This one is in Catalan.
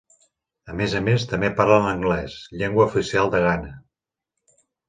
A més a més, també parlen l'anglès, llengua oficial de Ghana.